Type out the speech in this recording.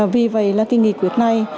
vì vậy là nghị quyết này